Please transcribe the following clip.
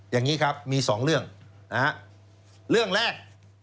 อย่างงี้ครับมี๒เรื่องเรื่องแรก